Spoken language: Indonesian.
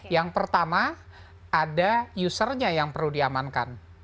yang pertama ada usernya yang perlu diamankan